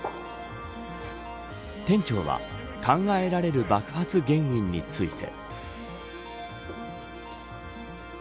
店長は考えられる爆発原因について。